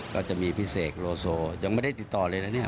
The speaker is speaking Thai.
ก็จะมีพี่เสกโลโซยังไม่ได้ติดต่อเลยนะเนี่ย